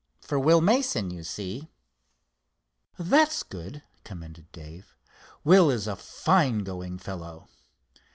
For Will Mason, you see." "That's good," commended Dave, "Will is a fine going fellow."